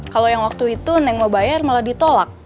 kalau yang waktu itu neng mau bayar malah ditolak